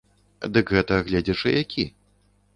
Дык гэта гледзячы які.